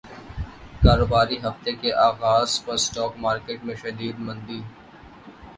کاروباری ہفتے کے اغاز پر اسٹاک مارکیٹ میں شدید مندی